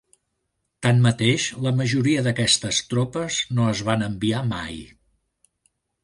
Tanmateix, la majoria d'aquestes tropes no es van enviar mai.